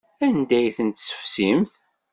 Anda ay ten-tessefsimt?